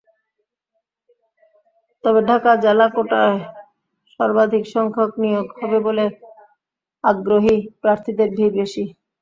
তবে ঢাকা জেলা কোটায় সর্বাধিকসংখ্যক নিয়োগ হবে বলে আগ্রহী প্রার্থীদের ভিড় বেশি।